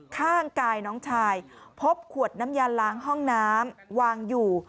ข้างกายน้องชายพบขวดน้ำยาล้างห้องน้ำวางอยู่